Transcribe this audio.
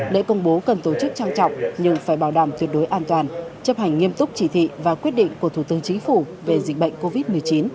lễ công bố cần tổ chức trang trọng nhưng phải bảo đảm tuyệt đối an toàn chấp hành nghiêm túc chỉ thị và quyết định của thủ tướng chính phủ về dịch bệnh covid một mươi chín